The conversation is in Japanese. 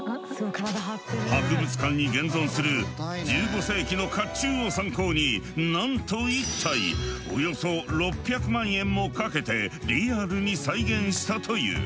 博物館に現存する１５世紀の甲冑を参考になんと１体およそ６００万円もかけてリアルに再現したという。